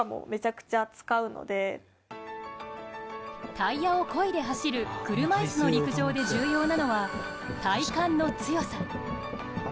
タイヤを漕いで走る車いすの陸上で重要なのは体幹の強さ。